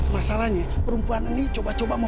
masalahnya perempuan ini coba coba